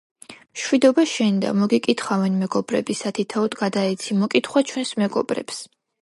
მშვიდობა შენდა. მოგიკითხავენ მეგობრები. სათითაოდ გადაეცი მოკითხვა ჩვენს მეგობრებს.